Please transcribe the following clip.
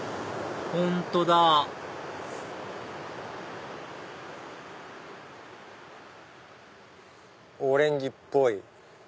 本当だオレンジっぽい。